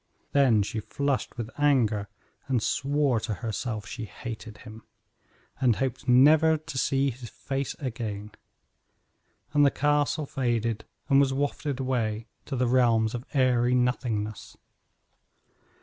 Then she flushed with anger and swore to herself she hated him, and hoped never to see his face again. And the castle faded and was wafted away to the realms of airy nothingness.